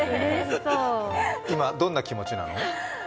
今、どんな気持ちなの？